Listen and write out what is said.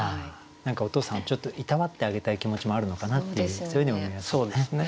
何かお父さんをちょっといたわってあげたい気持ちもあるのかなっていうそういうふうにも見えますよね。